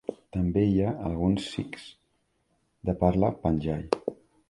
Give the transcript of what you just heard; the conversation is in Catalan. També hi ha alguns sikhs de parla panjabi.